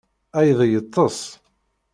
Aydi yeṭṭes.